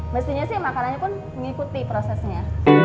mestinya sih makanannya pun mengikuti prosesnya